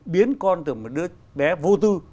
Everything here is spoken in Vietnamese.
biến con từ một đứa bé vô tư